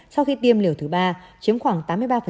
sau khi tiêm liều thứ ba chiếm khoảng tám mươi ba